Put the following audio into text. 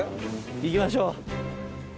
行きましょう。